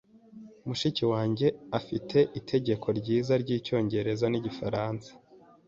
Mushiki wanjye afite itegeko ryiza ryicyongereza nigifaransa.